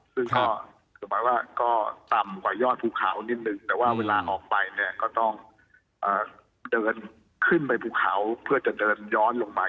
ซึ่งก็คือหมายว่าก็ต่ำกว่ายอดภูเขานิดนึงแต่ว่าเวลาออกไปเนี่ยก็ต้องเดินขึ้นไปภูเขาเพื่อจะเดินย้อนลงไป